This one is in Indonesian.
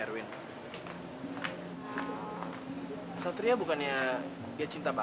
gak aku sama satria hanya teman deket kok